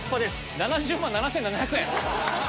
７０万７７００円。